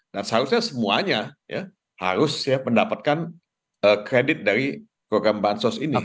nah seharusnya semuanya ya harus mendapatkan kredit dari program bansos ini